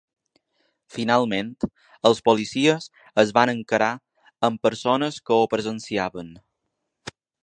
Finalment, els policies es van encarar amb persones que ho presenciaven.